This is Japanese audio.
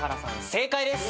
正解です。